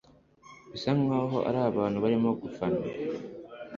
bisa nkaho ari abantu barimo gufana